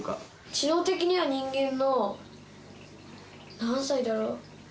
知能的には人間の何歳だろう？